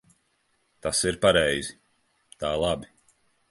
Tas ir pareizi. Tā labi.